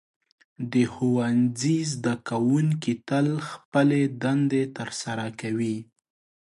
د ښوونځي زده کوونکي تل خپلې دندې ترسره کوي.